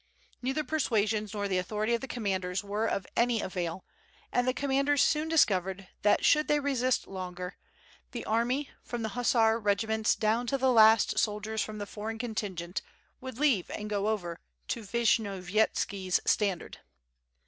Neither persuasions nor the authority of the com manders were of any avail, and the commanders soon dis covered that should they resist longer, the army, from the hussar regiments down to the last soldiers from the foreign 684 WITH FIRE AND SWORD. 685 contingent would leave and go over to Vishnyovyetaki's standard.